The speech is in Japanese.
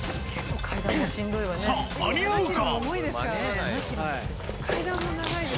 さあ、間に合うか。